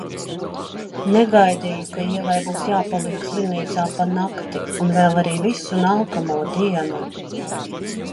Negaidīju, ka Ievai būs jāpaliek slimnīcā pa nakti un vēl arī visu nākamo dienu.